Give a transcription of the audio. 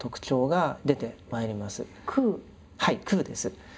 はい空です。